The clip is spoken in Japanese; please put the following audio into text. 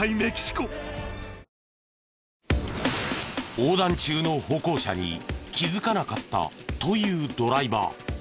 横断中の歩行者に気づかなかったというドライバー。